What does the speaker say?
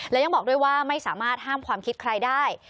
และยังบอกด้วยว่าไม่สามารถห้ามความคิดใครได้